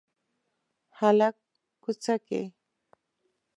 هلک کوڅه کې